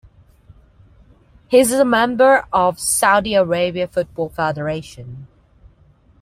He is a member of Saudi Arabia Football Federation.